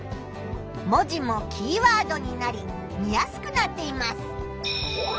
文字もキーワードになり見やすくなっています。